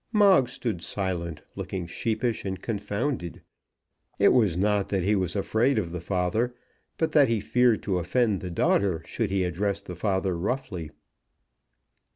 Moggs stood silent, looking sheepish and confounded. It was not that he was afraid of the father; but that he feared to offend the daughter should he address the father roughly.